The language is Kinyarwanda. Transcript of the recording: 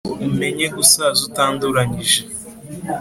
Umenye gusaza utanduranyije